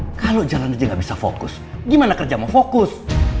hai kalau jalan aja nggak bisa fokus gimana kerja mau fokus